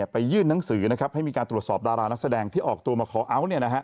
ไปยื่นหนังสือให้มีการตรวจสอบดารานักแสดงที่ออกตัวมาขอเอาท์